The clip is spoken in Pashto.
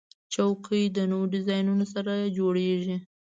چوکۍ د نوو ډیزاینونو سره جوړیږي.